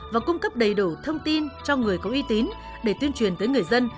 và cung cấp đầy đủ thông tin cho người có uy tín để tuyên truyền tới người dân